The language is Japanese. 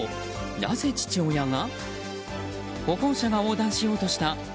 なぜ父親が？